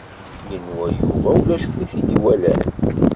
Yenwa Yuba ulac win i t-id-iwalan.